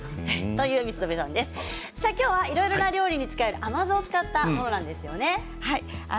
今日はいろいろな料理に使える甘酢を使ったものなんですよね。